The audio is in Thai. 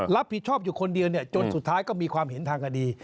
รับผิดชอบอยู่คนเดียวจนสุดท้ายก็มีความเห็นทางคดี